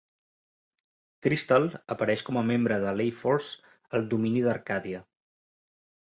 Crystal apareix com a membre de l'A-Force al domini d'Arcadia.